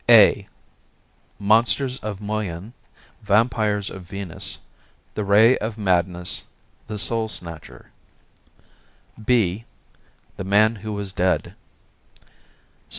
A "Monsters of Moyen," "Vampires of Venus," "The Ray of Madness," "The Soul Snatcher." B "The Man Who Was Dead."